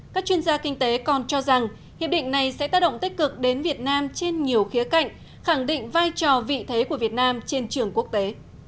các chuyên gia kinh tế còn cho rằng hiệp định này sẽ tác động tích cực đến việt nam trên nhiều khía cạnh khẳng định vai trò vị thế của việt nam trên trường quốc tế